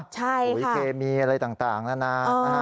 ปุ๋ยเคมีอะไรต่างนานา